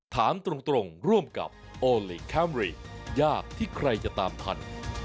ถามตรงร่วมกับโอลี่คัมรี่ยากที่ใครจะตามทัน